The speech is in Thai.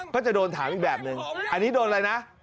ก็จะโดนถามอีกแบบนึงอันนี้โดนอะไรนะ